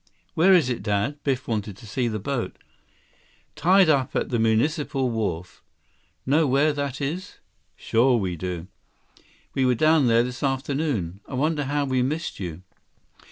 "Where is it, Dad?" Biff wanted to see the boat. "Tied up at the municipal wharf. Know where that is?" "We sure do. We were down there this afternoon. I wonder how we missed you."